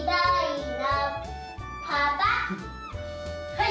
はい！